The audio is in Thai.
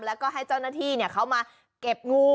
แล้วก็ให้เจ้าหน้าที่เขามาเก็บงู